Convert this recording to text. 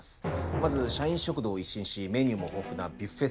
まず社員食堂を一新しメニューも豊富なビュッフェスタイルに。